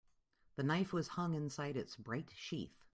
The knife was hung inside its bright sheath.